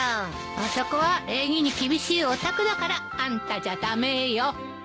あそこは礼儀に厳しいお宅だからあんたじゃ駄目よ。